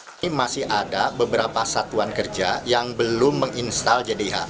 ini masih ada beberapa satuan kerja yang belum menginstal jdh